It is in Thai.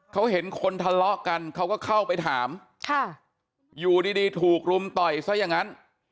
เขาเห็นคนทะเลาะกันเขาก็เข้าไปถามอยู่ดีถูกรุมต่อยซะอย่างนั้น